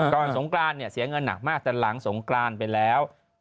สงกรานเนี่ยเสียเงินหนักมากแต่หลังสงกรานไปแล้ว